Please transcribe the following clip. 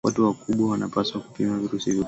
watu wakubwa wanapaswa kupima virusi vya ukimwi